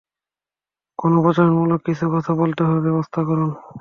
গণপ্রচারমূলক কিছু কথা বলতে হবে, ব্যাবস্থা করুন।